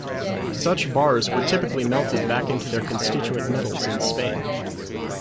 Such bars were typically melted back into their constituent metals in Spain.